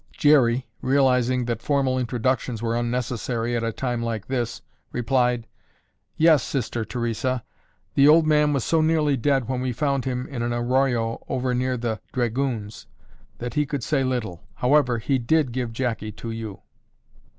Jerry, realizing that formal introductions were unnecessary at a time like this, replied, "Yes, Sister Theresa. The old man was so nearly dead when we found him in an arroyo over near 'The Dragoons' that he could say little. However, he did give Jackie to you."